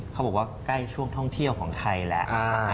เขาบอกว่าใกล้ช่วงท่องเที่ยวของไทยแล้ว